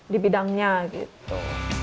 di bidangnya gitu